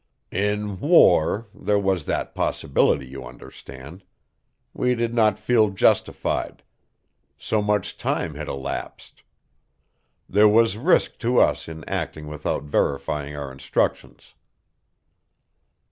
"In war there was that possibility, you understand. We did not feel justified; so much time had elapsed. There was risk to us in acting without verifying our instructions."